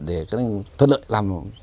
để có thể thuận lợi làm